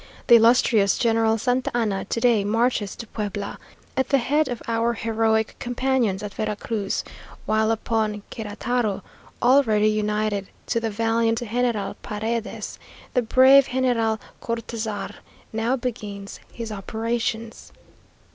The illustrious General Santa Anna to day marches to Puebla, at the head of our heroic companions at Vera Cruz, while upon Queretaro, already united to the valiant General Paredes, the brave General Cortazar now begins his operations.